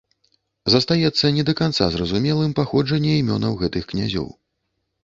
Застаецца не да канца зразумелым паходжанне імёнаў гэтых князёў.